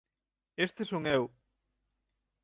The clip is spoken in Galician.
Este son eu.